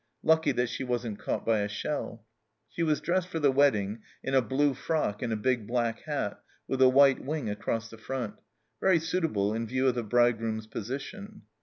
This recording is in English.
Lucky that she wasn't caught by a shell. She was dressed for the wedding in a blue frock and a big black hat, with a white wing across the front very suitable in view of the bridegroom's position.